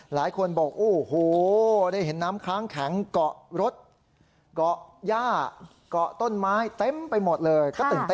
หลายคนบอกโอ้โหได้เห็นน้ำค้างแข็งเกาะรถเกาะย่าเกาะต้นไม้เต็มไปหมดเลยก็ตื่นเต้น